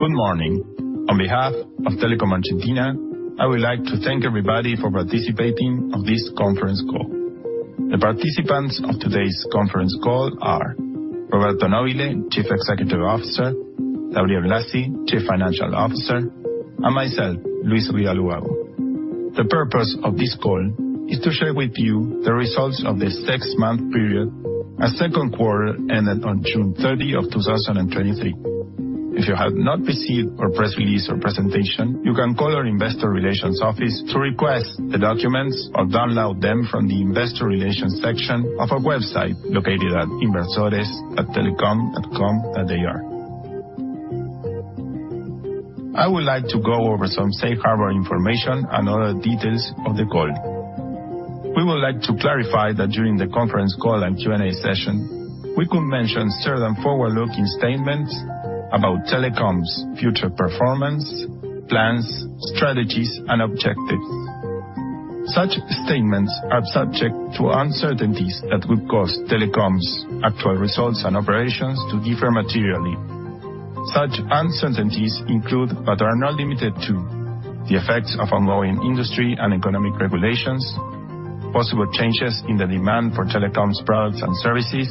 Good morning. On behalf of Telecom Argentina, I would like to thank everybody for participating on this conference call. The participants of today's conference call are Roberto Nobile, Chief Executive Officer, Gabriel Blasi, Chief Financial Officer, and myself, Luis Rial Ubago. The purpose of this call is to share with you the results of this 6-month period, as 2Q ended on June 30, 2023. If you have not received our press release or presentation, you can call our investor relations office to request the documents or download them from the Investor Relations section of our website, located at inversores@telecom.com.ar. I would like to go over some safe harbor information and other details of the call. We would like to clarify that during the conference call and Q&A session, we could mention certain forward-looking statements about Telecom's future performance, plans, strategies, and objectives. Such statements are subject to uncertainties that would cause Telecom's actual results and operations to differ materially. Such uncertainties include, but are not limited to, the effects of ongoing industry and economic regulations, possible changes in the demand for Telecom's products and services,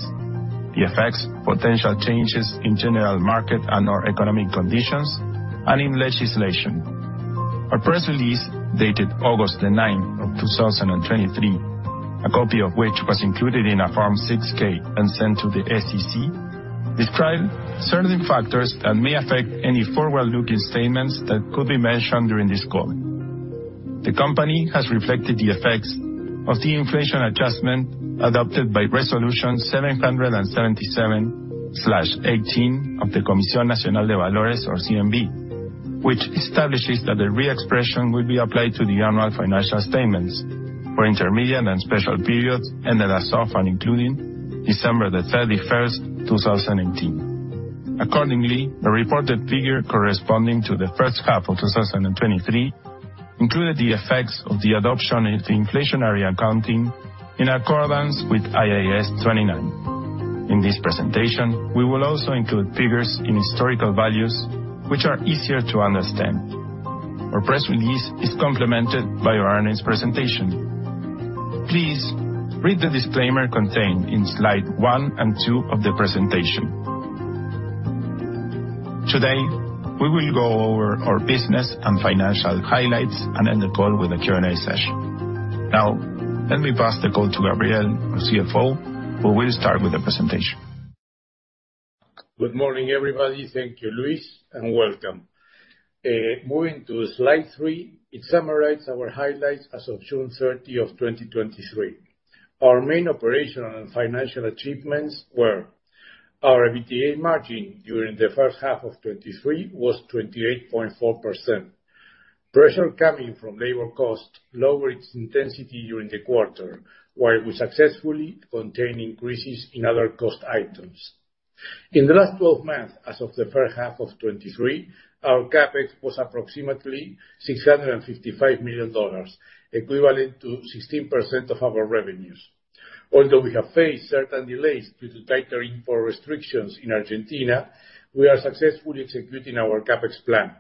the effects potential changes in general market and/or economic conditions, and in legislation. Our press release, dated August the ninth of 2023, a copy of which was included in our Form 6-K and sent to the SEC, described certain factors that may affect any forward-looking statements that could be mentioned during this call. The company has reflected the effects of the inflation adjustment adopted by Resolution 777/18 of the Comisión Nacional de Valores or CNV, which establishes that the reexpression will be applied to the annual financial statements for intermediate and special periods ended as of, and including, December 31, 2018. Accordingly, the reported figure corresponding to the first half of 2023 included the effects of the adoption of the inflationary accounting in accordance with IAS 29. In this presentation, we will also include figures in historical values, which are easier to understand. Our press release is complemented by our earnings presentation. Please read the disclaimer contained in slide 1 and 2 of the presentation. Today, we will go over our business and financial highlights and end the call with a Q&A session. Now, let me pass the call to Gabriel, our CFO, who will start with the presentation. Good morning, everybody. Thank you, Luis, and welcome. Moving to slide 3, it summarizes our highlights as of June 30 of 2023. Our main operational and financial achievements were: our EBITDA margin during the first half of 2023 was 28.4%. Pressure coming from labor cost lowered its intensity during the quarter, while we successfully contained increases in other cost items. In the last 12 months, as of the first half of 2023, our CapEx was approximately $655 million, equivalent to 16% of our revenues. Although we have faced certain delays due to tighter import restrictions in Argentina, we are successfully executing our CapEx plan.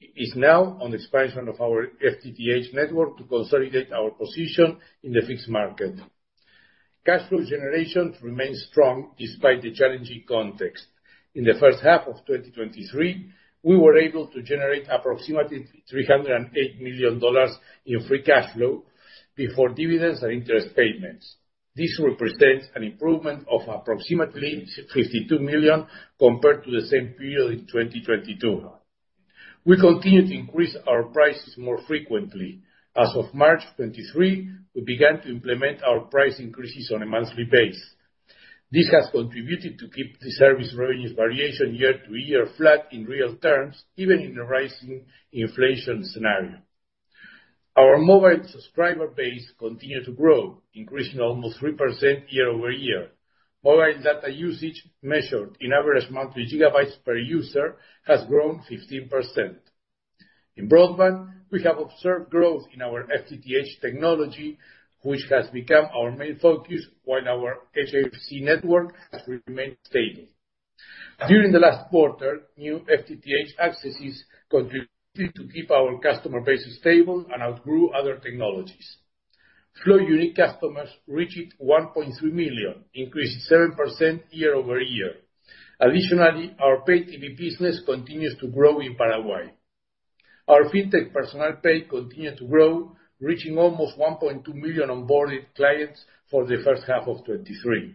Our focus is now on the expansion of our FTTH network to consolidate our position in the fixed market. Cash flow generation remains strong despite the challenging context. In the first half of 2023, we were able to generate approximately $308 million in free cash flow before dividends and interest payments. This represents an improvement of approximately $52 million compared to the same period in 2022. We continued to increase our prices more frequently. As of March 23, we began to implement our price increases on a monthly base. This has contributed to keep the service revenues variation year-over-year flat in real terms, even in the rising inflation scenario. Our mobile subscriber base continued to grow, increasing almost 3% year-over-year. Mobile data usage, measured in average monthly gigabytes per user, has grown 15%. In broadband, we have observed growth in our FTTH technology, which has become our main focus, while our HFC network has remained stable. During the last quarter, new FTTH accesses contributed to keep our customer base stable and outgrew other technologies. Flow unique customers reached 1.3 million, increasing 7% year-over-year. Additionally, our pay TV business continues to grow in Paraguay. Our fintech Personal Pay continued to grow, reaching almost 1.2 million onboarded clients for the first half of 2023.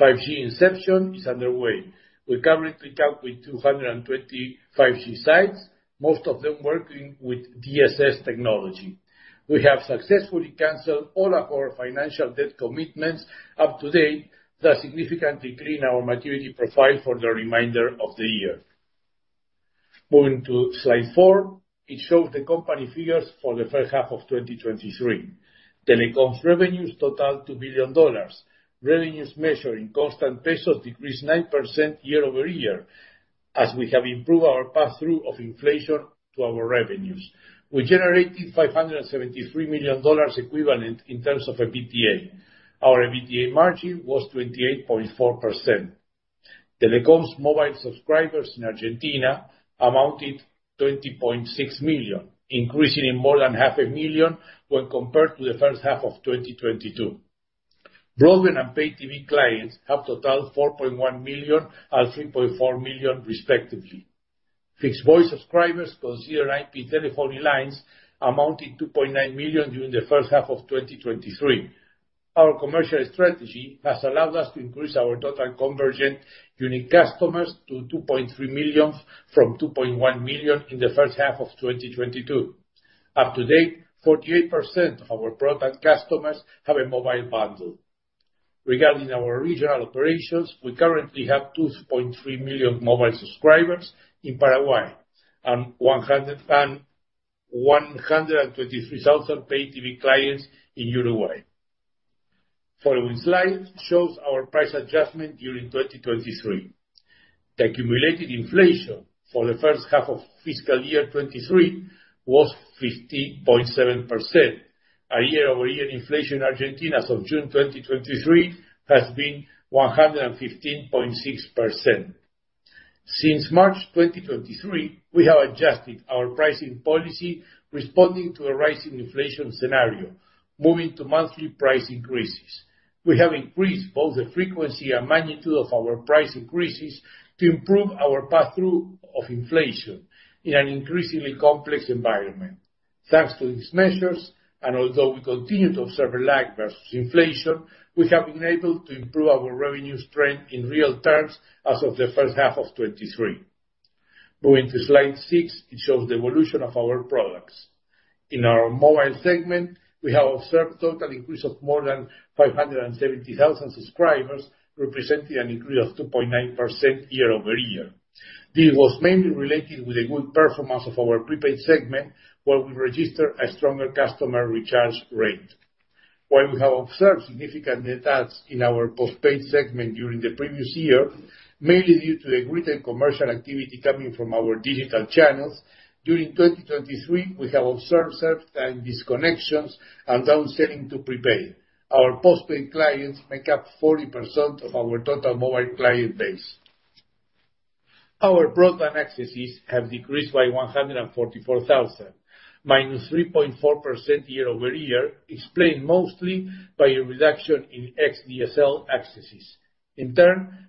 5G inception is underway. We currently count with 220 5G sites, most of them working with DSS technology. We have successfully canceled all of our financial debt commitments up to date, thus significantly cleaning our maturity profile for the remainder of the year. Moving to slide 4, it shows the company figures for the first half of 2023. Telecom's revenues totaled $2 billion. Revenues measured in constant pesos decreased 9% year-over-year, as we have improved our passthrough of inflation to our revenues. We generated $573 million equivalent in terms of EBITDA. Our EBITDA margin was 28.4%. Telecom's mobile subscribers in Argentina amounted 20.6 million, increasing in more than 500,000 when compared to the first half of 2022. Broadband and Pay TV clients have totaled 4.1 million and 3.4 million, respectively. Fixed voice subscribers consider IP telephony lines amounting 2.9 million during the first half of 2023. Our commercial strategy has allowed us to increase our total convergent unique customers to 2.3 million, from 2.1 million in the first half of 2022. Up to date, 48% of our broadband customers have a mobile bundle. Regarding our regional operations, we currently have 2.3 million mobile subscribers in Paraguay, and 123,000 Pay TV clients in Uruguay. Following slide shows our price adjustment during 2023. The accumulated inflation for the first half of fiscal year 23 was 15.7%. Our year-over-year inflation in Argentina as of June 2023, has been 115.6%. Since March 2023, we have adjusted our pricing policy, responding to the rising inflation scenario, moving to monthly price increases. We have increased both the frequency and magnitude of our price increases to improve our passthrough of inflation in an increasingly complex environment. Thanks to these measures, and although we continue to observe a lag versus inflation, we have been able to improve our revenue strength in real terms as of the first half of 23. Moving to Slide 6, it shows the evolution of our products. In our mobile segment, we have observed total increase of more than 570,000 subscribers, representing an increase of 2.9% year-over-year. This was mainly related with the good performance of our prepaid segment, where we registered a stronger customer recharge rate. While we have observed significant net adds in our postpaid segment during the previous year, mainly due to the greater commercial activity coming from our digital channels, during 2023, we have observed self-time disconnections and down selling to prepaid. Our postpaid clients make up 40% of our total mobile client base. Our broadband accesses have decreased by 144,000, minus 3.4% year-over-year, explained mostly by a reduction in ex-DSL accesses.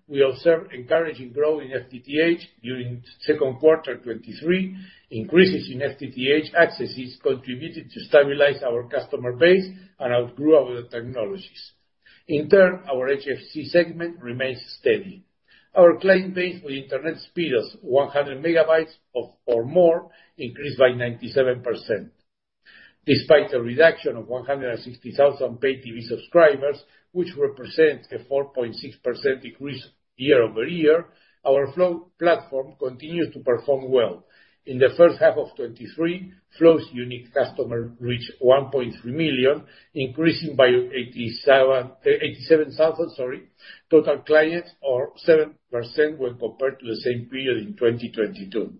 We observe encouraging growth in FTTH during second quarter 2023. Increases in FTTH accesses contributed to stabilize our customer base and outgrew our technologies. Our HFC segment remains steady. Our client base with internet speeds of 100 megabytes of or more increased by 97%. Despite a reduction of 160,000 Pay TV subscribers, which represents a 4.6% decrease year-over-year, our Flow platform continued to perform well. In the first half of 2023, Flow's unique customer reached 1.3 million, increasing by 87,000, sorry, total clients, or 7% when compared to the same period in 2022.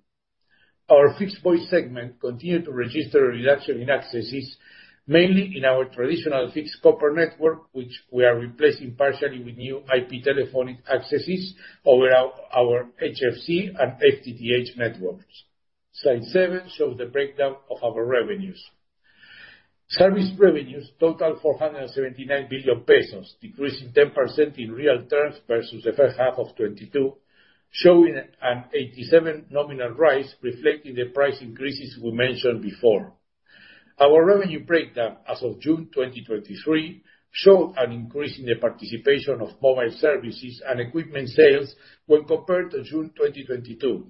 Our fixed voice segment continued to register a reduction in accesses, mainly in our traditional fixed copper network, which we are replacing partially with new IP telephony accesses over our HFC and FTTH networks. Slide seven shows the breakdown of our revenues. Service revenues totaled 479 billion pesos, decreasing 10% in real terms versus the first half of 2022, showing an 87 nominal rise, reflecting the price increases we mentioned before. Our revenue breakdown as of June 2023, showed an increase in the participation of mobile services and equipment sales when compared to June 2022,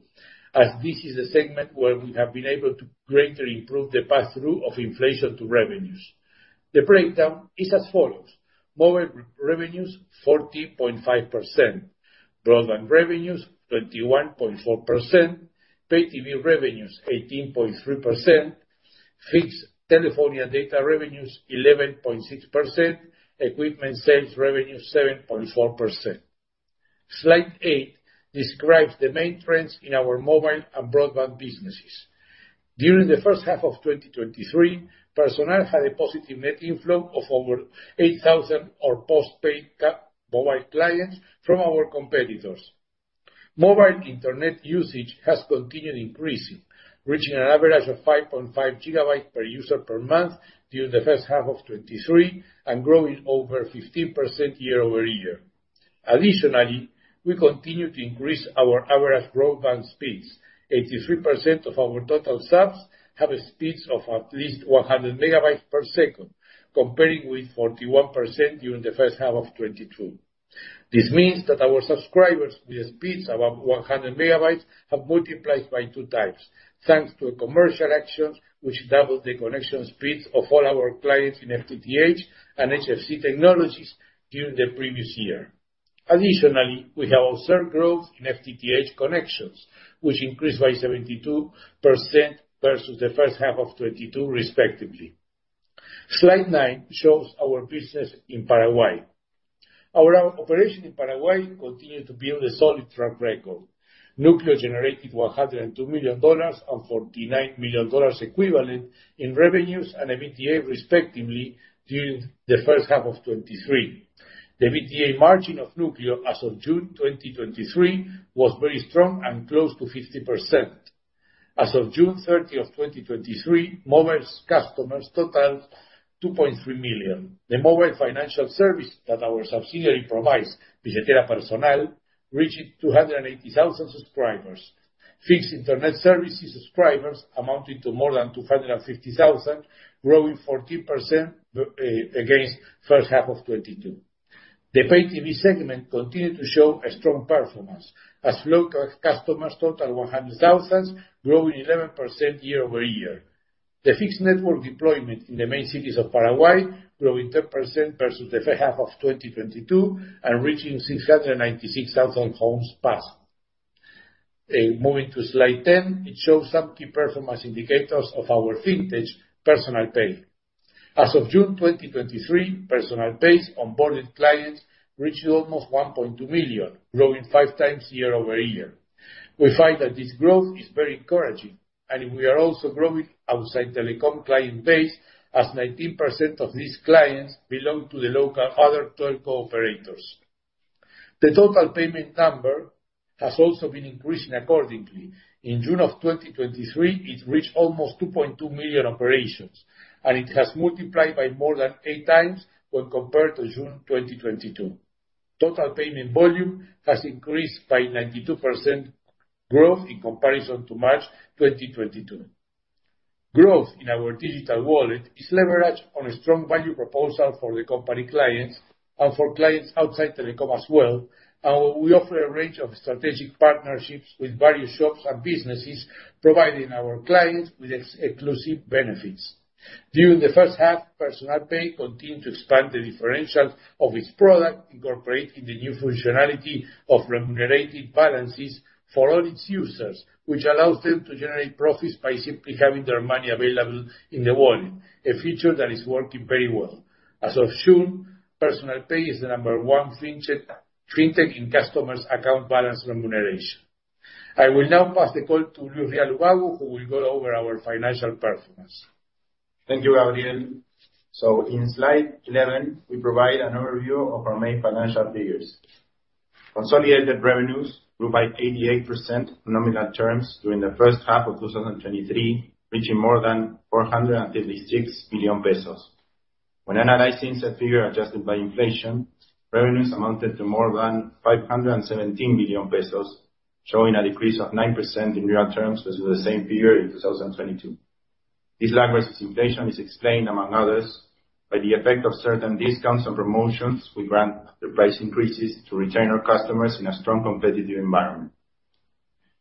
as this is the segment where we have been able to greatly improve the passthrough of inflation to revenues. The breakdown is as follows: mobile revenues, 40.5%; broadband revenues, 21.4%; Pay TV revenues, 18.3%; fixed telephone and data revenues, 11.6%; equipment sales revenues, 7.4%. Slide eight describes the main trends in our mobile and broadband businesses. During the first half of 2023, Personal had a positive net inflow of over 8,000 postpaid mobile clients from our competitors. Mobile internet usage has continued increasing, reaching an average of 5.5 GB per user per month during the first half of 2023, and growing over 15% year-over-year. Additionally, we continue to increase our average broadband speeds. 83% of our total subs have a speeds of at least 100 MB per second, comparing with 41% during the first half of 2022. This means that our subscribers with speeds above 100 MB have multiplied by 2 times, thanks to a commercial action which doubled the connection speeds of all our clients in FTTH and HFC technologies during the previous year. Additionally, we have observed growth in FTTH connections, which increased by 72% versus the first half of 2022, respectively. Slide nine shows our business in Paraguay. Our operation in Paraguay continued to build a solid track record. Núcleo generated $102 million and $49 million equivalent in revenues and EBITDA, respectively, during the first half of 2023. The EBITDA margin of Núcleo as of June 2023, was very strong and close to 50%. As of June 30, 2023, Movil's customers totaled 2.3 million. The mobile financial service that our subsidiary provides, Billetera Personal, reached 280,000 subscribers. Fixed internet services subscribers amounted to more than 250,000, growing 14% against first half of 2022. The pay TV segment continued to show a strong performance, as local customers total 100,000, growing 11% year-over-year. The fixed network deployment in the main cities of Paraguay growing 10% versus the first half of 2022 and reaching 696,000 homes passed. Moving to slide 10, it shows some key performance indicators of our fintech, Personal Pay. As of June 2023, Personal Pay's onboarded clients reached almost 1.2 million, growing 5 times year-over-year. We find that this growth is very encouraging, and we are also growing outside telecom client base, as 19% of these clients belong to the local other telco operators. The total payment number has also been increasing accordingly. In June of 2023, it reached almost 2.2 million operations. It has multiplied by more than 8 times when compared to June 2022. Total payment volume has increased by 92% growth in comparison to March 2022. Growth in our digital wallet is leveraged on a strong value proposal for the company clients and for clients outside Telecom as well. We offer a range of strategic partnerships with various shops and businesses, providing our clients with exclusive benefits. During the first half, Personal Pay continued to expand the differential of its product, incorporating the new functionality of remunerating balances for all its users, which allows them to generate profits by simply having their money available in the wallet, a feature that is working very well. As of June, Personal Pay is the number one fintech in customers' account balance remuneration. I will now pass the call to Luis Rial Ubago, who will go over our financial performance. Thank you, Gabriel. In slide 11, we provide an overview of our main financial figures. Consolidated revenues grew by 88% nominal terms during the first half of 2023, reaching more than 456 million pesos. When analyzing the figure adjusted by inflation, revenues amounted to more than 517 million pesos, showing a decrease of 9% in real terms versus the same period in 2022. This lag versus inflation is explained, among others, by the effect of certain discounts and promotions we grant the price increases to retain our customers in a strong competitive environment.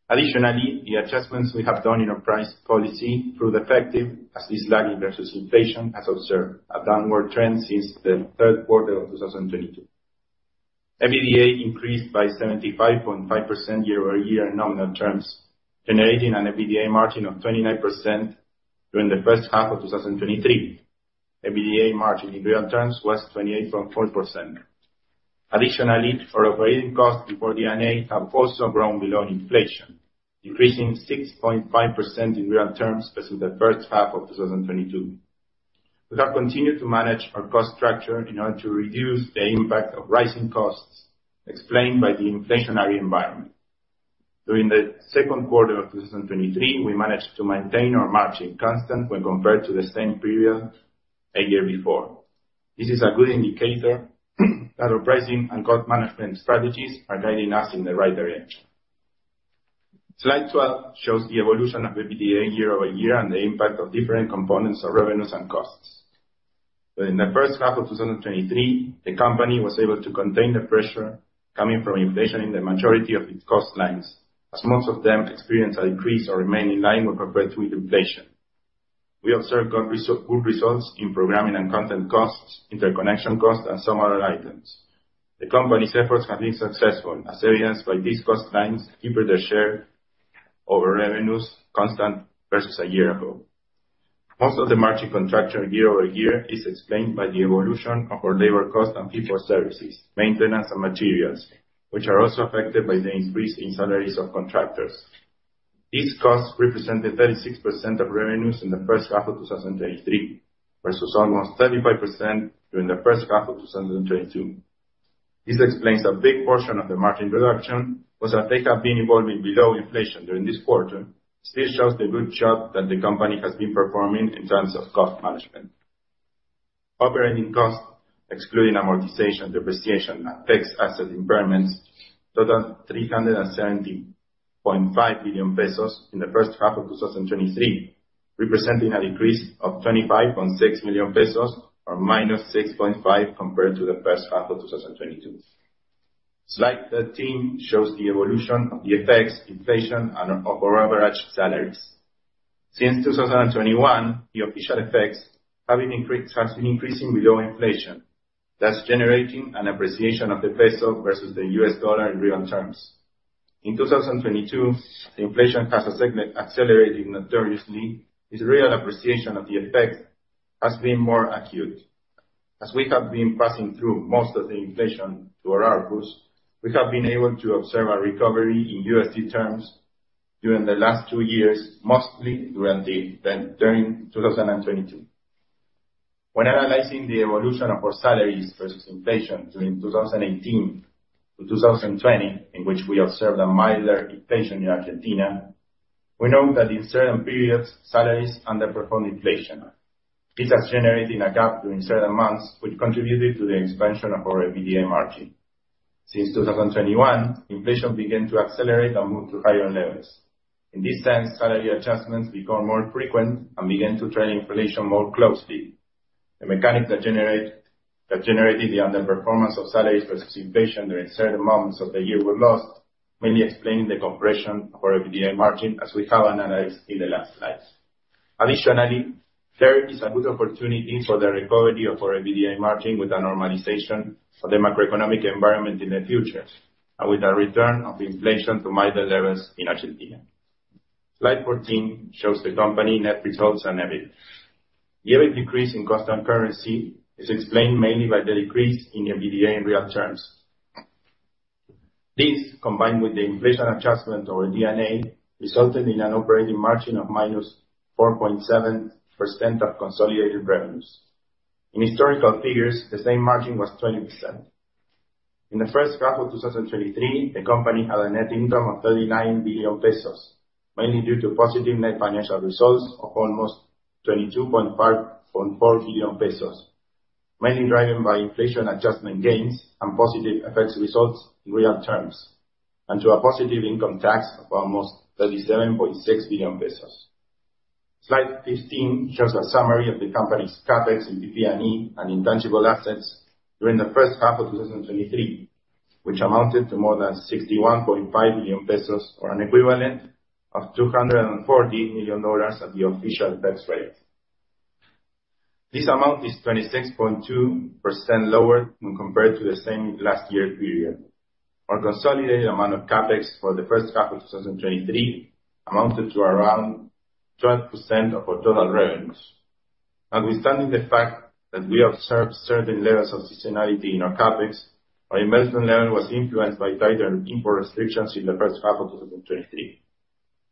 Additionally, the adjustments we have done in our price policy proved effective, as this lag versus inflation has observed a downward trend since the third quarter of 2022. EBITDA increased by 75.5% year-over-year in nominal terms, generating an EBITDA margin of 29% during the first half of 2023. EBITDA margin in real terms was 28.4%. Additionally, our operating costs before DNA have also grown below inflation, decreasing 6.5% in real terms versus the first half of 2022. We have continued to manage our cost structure in order to reduce the impact of rising costs, explained by the inflationary environment. During the second quarter of 2023, we managed to maintain our margin constant when compared to the same period a year before. This is a good indicator that our pricing and cost management strategies are guiding us in the right direction. Slide 12 shows the evolution of EBITDA year-over-year and the impact of different components of revenues and costs. In the first half of 2023, the company was able to contain the pressure coming from inflation in the majority of its cost lines, as most of them experienced a decrease or remained in line when compared to inflation. We observed good results in programming and content costs, interconnection costs, and some other items. The company's efforts have been successful, as evidenced by these cost lines keeping their share over revenues constant versus a year ago. Most of the margin contraction year-over-year is explained by the evolution of our labor costs and people services, maintenance, and materials, which are also affected by the increase in salaries of contractors. These costs represented 36% of revenues in the first half of 2023, versus almost 35% during the first half of 2022. This explains a big portion of the margin reduction. As they have been evolving below inflation during this quarter, still shows the good job that the company has been performing in terms of cost management. Operating costs, excluding amortization, depreciation, and tax asset impairments, total 370.5 million pesos in the first half of 2023, representing a decrease of 25.6 million pesos, or -6.5%, compared to the first half of 2022. Slide 13 shows the evolution of the effects, inflation, and of our average salaries. Since 2021, the official effects have been has been increasing below inflation, thus generating an appreciation of the peso versus the U.S. dollar in real terms. In 2022, the inflation has segment accelerated notoriously, this real appreciation of the effect has been more acute. As we have been passing through most of the inflation to our ARPU, we have been able to observe a recovery in USD terms during the last 2 years, mostly during 2022. When analyzing the evolution of our salaries versus inflation during 2018 to 2020, in which we observed a milder inflation in Argentina, we know that in certain periods, salaries underperformed inflation. This has generated in a gap during certain months, which contributed to the expansion of our EBITDA margin. Since 2021, inflation began to accelerate and move to higher levels. In this sense, salary adjustments become more frequent and began to trend inflation more closely. The mechanics that generated the underperformance of salaries versus inflation during certain months of the year were lost, mainly explaining the compression of our EBITDA margin, as we have analyzed in the last slides. There is a good opportunity for the recovery of our EBITDA margin with a normalization of the macroeconomic environment in the future, and with a return of inflation to milder levels in Argentina. Slide 14 shows the company net results and EBIT. The EBIT decrease in constant currency is explained mainly by the decrease in EBITDA in real terms. This, combined with the inflation adjustment or DNA, resulted in an operating margin of -4.7% of consolidated revenues. In historical figures, the same margin was 20%. In the first half of 2023, the company had a net income of 39 billion pesos, mainly due to positive net financial results of almost ARS 22.5.4 billion, mainly driven by inflation adjustment gains and positive effects results in real terms, and to a positive income tax of almost 37.6 billion pesos. Slide 15 shows a summary of the company's CapEx in PP&E and intangible assets during the first half of 2023, which amounted to more than 61.5 billion pesos, or an equivalent of $240 million at the official tax rate. This amount is 26.2% lower when compared to the same last year period. Our consolidated amount of CapEx for the first half of 2023 amounted to around 12% of our total revenues. Notwithstanding the fact that we observed certain levels of seasonality in our CapEx, our investment level was influenced by tighter import restrictions in the first half of 2023.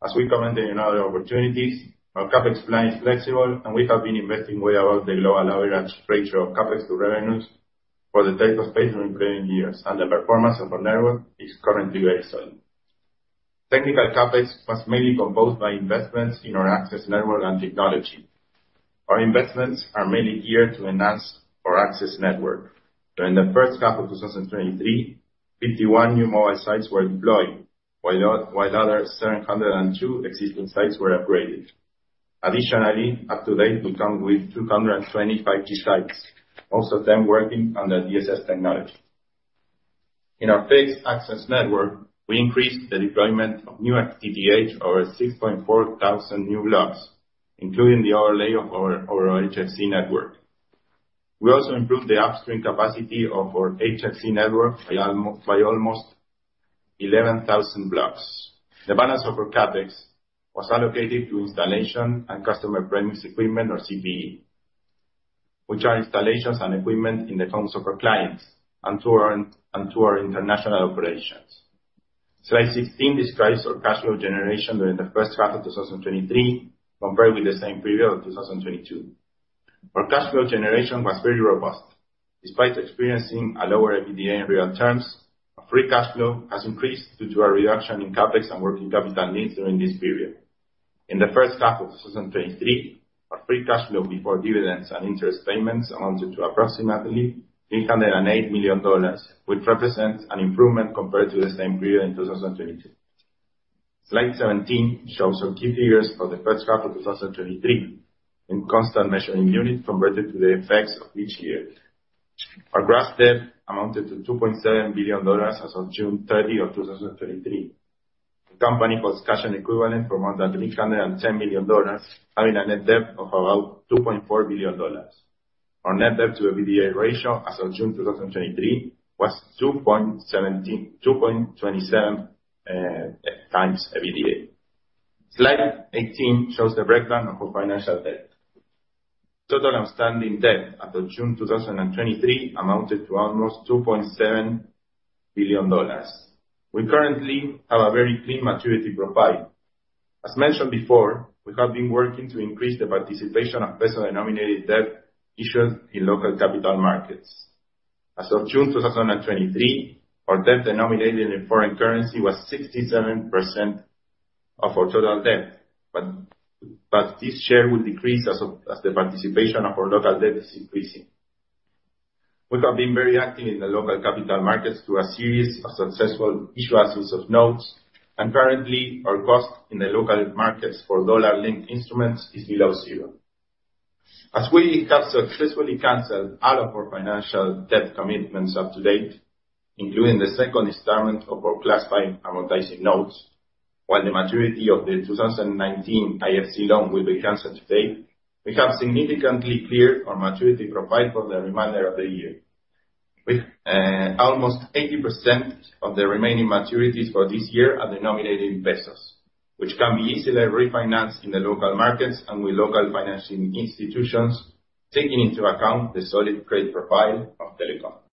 As we commented in other opportunities, our CapEx plan is flexible, and we have been investing way above the lower average ratio of CapEx to revenues for the type of space in recent years, and the performance of our network is currently very solid. Technical CapEx was mainly composed by investments in our access network and technology. Our investments are mainly geared to enhance our access network. During the first half of 2023, 51 new mobile sites were deployed, while the other 702 existing sites were upgraded. Additionally, up to date, we count with 225 key sites, most of them working under DSS technology. In our fixed access network, we increased the deployment of new XG-TH over 6,400 new blocks, including the overlay of our HFC network. We also improved the upstream capacity of our HFC network by almost 11,000 blocks. The balance of our CapEx was allocated to installation and customer premise equipment or CPE, which are installations and equipment in the homes of our clients and to our international operations. Slide 16 describes our cash flow generation during the first half of 2023, compared with the same period of 2022. Our cash flow generation was very robust. Despite experiencing a lower EBITDA in real terms, our free cash flow has increased due to a reduction in CapEx and working capital needs during this period. In the first half of 2023, our free cash flow before dividends and interest payments amounted to approximately $308 million, which represents an improvement compared to the same period in 2022. Slide 17 shows our key figures for the first half of 2023, in constant measuring unit converted to the effects of each year. Our gross debt amounted to $2.7 billion as of June 30 of 2023. The company holds cash and equivalent for more than $310 million, having a net debt of about $2.4 billion. Our net debt to EBITDA ratio as of June 2023 was 2.17-- 2.27 times EBITDA. Slide 18 shows the breakdown of our financial debt. Total outstanding debt after June 2023 amounted to almost $2.7 billion. We currently have a very clean maturity profile. As mentioned before, we have been working to increase the participation of peso-denominated debt issued in local capital markets. As of June 2023, our debt denominated in foreign currency was 67% of our total debt, but this share will decrease as the participation of our local debt is increasing. We have been very active in the local capital markets through a series of successful issuances of notes. Currently, our cost in the local markets for dollar-linked instruments is below zero. As we have successfully canceled all of our financial debt commitments up to date, including the second installment of our classified amortizing notes, while the maturity of the 2019 IFC loan will be canceled today, we have significantly cleared our maturity profile for the remainder of the year. With almost 80% of the remaining maturities for this year are denominated in pesos, which can be easily refinanced in the local markets and with local financing institutions, taking into account the solid credit profile of Telecom.